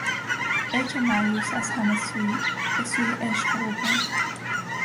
ایکه مایوس از همه از سویی بهسوی عشق روکن